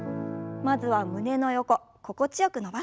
まずは胸の横心地よく伸ばす運動です。